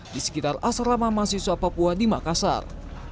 di sekitar asrama mahasiswa papua di makassar